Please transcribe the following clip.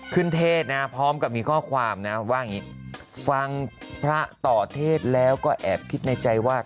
เทศนะพร้อมกับมีข้อความนะว่าอย่างนี้ฟังพระต่อเทศแล้วก็แอบคิดในใจว่า